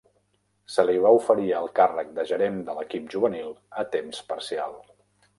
Se li va oferir el càrrec de gerent de l'equip juvenil a temps parcial.